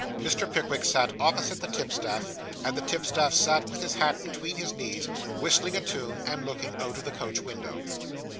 Mr. Pickwick sat opposite the tipstaff; and the tipstaff sat with his hat between his knees, whistling a tune, and looking out of the coach window.